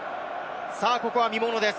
ここは見ものです。